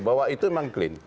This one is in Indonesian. bahwa itu memang clean